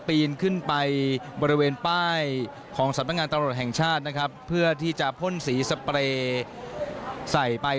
ปีนขึ้นไปบริเวณป้ายของสำนักงานตำรวจแห่งชาตินะครับเพื่อที่จะพ่นสีสเปรย์ใส่ไป